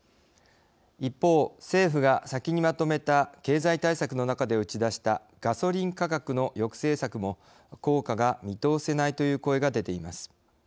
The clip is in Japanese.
一方、政府が先にまとめた経済対策の中で打ち出したガソリン価格の抑制策も効果が見通せないという声が出ています。